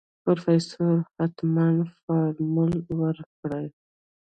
پروفيسر حتمن فارموله ورکړې.